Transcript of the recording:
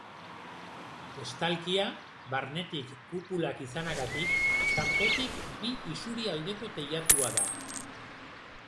Estalkia, barnetik kupulak izanagatik, kanpotik bi isurialdeko teilatua da.